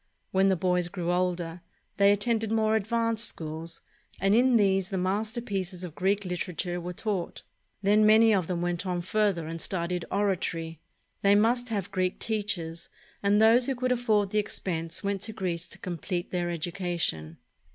When the boys grew older, they attended more advanced schools, and in these the masterpieces of Greek literature were taught. Then many of them went on further and studied oratory. They must have Greek teachers, and those who could afford the expense went to Greece to complete their education.